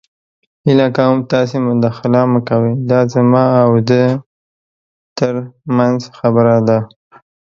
هیله کوم تاسې مداخله مه کوئ. دا زما او ده تر منځ خبره ده.